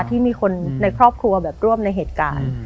ที่มีคนในครอบครัวแบบร่วมในเหตุการณ์